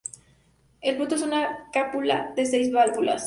El fruto es una cápsula de seis válvulas.